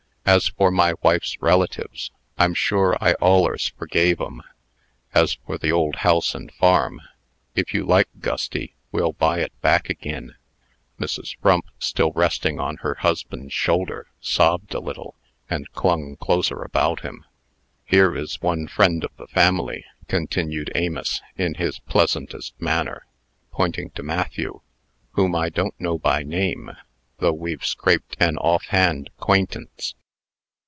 "As for my wife's relatives, I'm sure I allers forgave 'em. As for the old house and farm, if you like, Gusty, we'll buy it back agin." Mrs. Frump, still resting on her husband's shoulder, sobbed a little, and clung closer about him. "Here is one friend of the family," continued Amos, in his pleasantest manner, pointing to Matthew, "whom I don't know by name, though we've scraped an off hand 'quaintance."